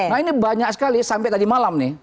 nah ini banyak sekali sampai tadi malam nih